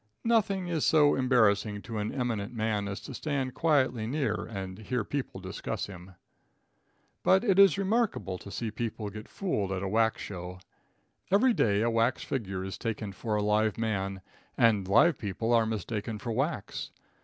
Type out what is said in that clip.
Nothing is so embarrassing to an eminent man as to stand quietly near and hear people discuss him. But it is remarkable to see people get fooled at a wax show. Every day a wax figure is taken for a live man, and live people are mistaken for wax.